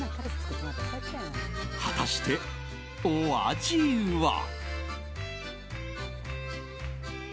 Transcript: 果たして、お味は。